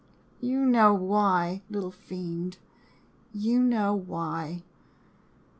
" You know why, little fiend — you know why. Mrs.